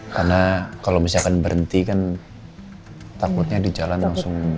karena kalau misalkan berhenti kan takutnya di jalan langsung